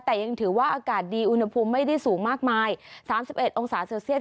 แต่ยังถือว่าอากาศดีอุณหภูมิไม่ได้สูงมากมาย๓๑องศาเซลเซียส